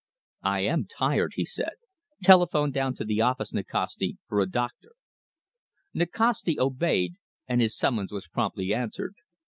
"I am tired," he said. "Telephone down to the office, Nikasti, for a doctor." Nikasti obeyed, and his summons was promptly answered.